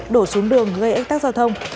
đổ xuống đường gây ách tác giao thông